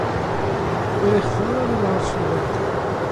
Ur ixtar ara lɛerc n wadda.